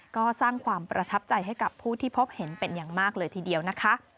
ก็สร้างความประทับใจให้กับผู้ที่พบเห็นเป็นอย่างมากเลยทีเดียวนะคะ